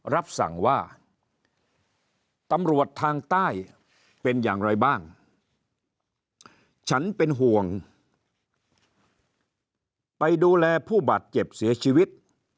ทางใต้เป็นอย่างไรบ้างฉันเป็นห่วงไปดูแลผู้บาดเจ็บเสียชีวิต